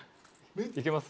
いけます？